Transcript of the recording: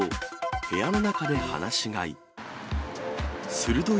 部屋の中で放し飼い。